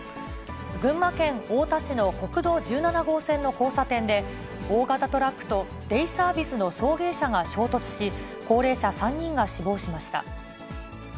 群馬県太田市の国道１７号線の交差点で、大型トラックとデイサービスの送迎車が衝突し、高齢者３人が死亡しました。